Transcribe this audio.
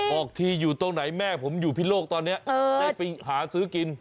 ออกทีอยู่ตรงไหนแม่ผมอยู่พิโลกตอนนี้ได้ไปหาซื้อกิน